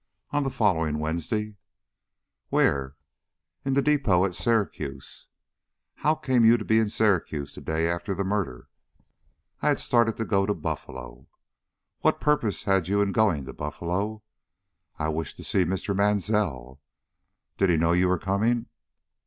"On the following Wednesday." "Where?" "In the depôt at Syracuse." "How came you to be in Syracuse the day after the murder?" "I had started to go to Buffalo." "What purpose had you in going to Buffalo?" "I wished to see Mr. Mansell." "Did he know you were coming?"